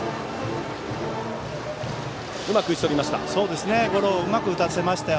うまく打ちとりました。